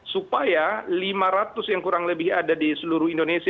supaya lima ratus yang kurang lebih ada di seluruh indonesia